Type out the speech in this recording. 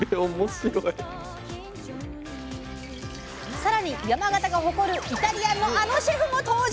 さらに山形が誇るイタリアンのあのシェフも登場！